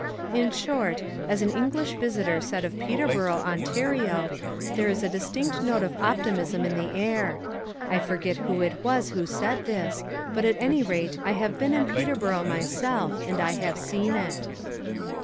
In short, as an English visitor said of Peterborough, Ontario, there is a distinct note of optimism in the air. I forget who it was who said this, but at any rate I have been in Peterborough myself and I have seen it.